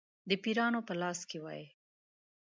د پیرانو په لاس کې وای.